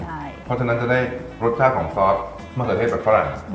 เพราะฉะนั้นจะได้รสชาติของซอสมะเขือเทศจากฝรั่ง